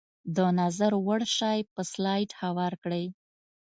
د نظر وړ شی په سلایډ هوار کړئ.